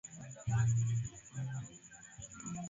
anaweza kupatikana na magonjwa mengine ya ngono